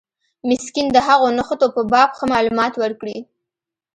مسکین د هغو نښتو په باب ښه معلومات ورکړي.